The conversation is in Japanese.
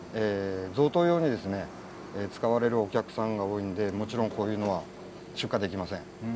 贈答用に使われるお客さんが多いのでこういうのは出荷できません。